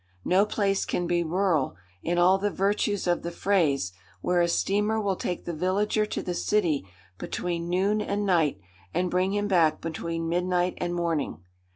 No place can be rural, in all the virtues of the phrase, where a steamer will take the villager to the city between noon and night, and bring him back between midnight and morning.